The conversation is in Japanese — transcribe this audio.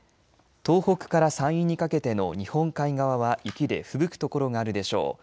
東北から山陰にかけての日本海側は雪でふぶく所があるでしょう。